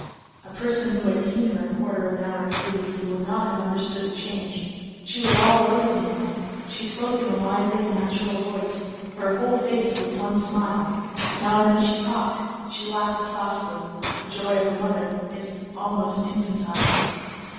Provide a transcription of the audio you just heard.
A person who had seen her a quarter of an hour previously would not have understood the change; she was all rosy now; she spoke in a lively and natural voice; her whole face was one smile; now and then she talked, she laughed softly; the joy of a mother is almost infantile.